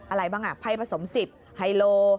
อะไรบ้างไพรผสมสิบไฮโล